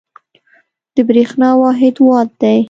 د برېښنا واحد وات دی.